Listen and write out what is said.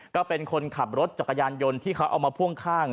ก็เป็นคนขับรถจักรยานยนต์ที่เขาเอามาพ่วงข้าง